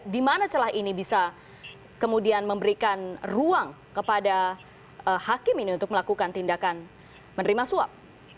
di mana celah ini bisa kemudian memberikan ruang kepada hakim ini untuk melakukan tindakan menerima suap